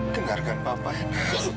dengarkan papa elen